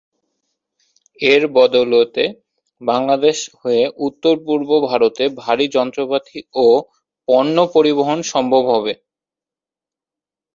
এর বদৌলতে বাংলাদেশ হয়ে উত্তর-পূর্ব ভারতে ভারী যন্ত্রপাতি ও পণ্য পরিবহন সম্ভব হবে।